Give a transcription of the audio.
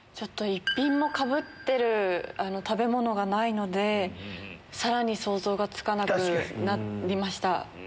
一品もかぶってる食べ物がないのでさらに想像がつかなくなりました。